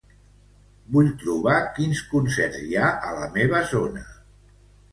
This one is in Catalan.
Vull trobar quins concerts hi ha a la meva zona.